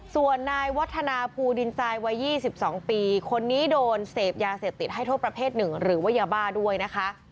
ส่วนนายวัฒนาภูดินทรายวัย๒๒ปีคนนี้โดนเสพยาเสพติดให้โทษประเภทหนึ่งหรือว่ายาบ้าด้วยนะคะ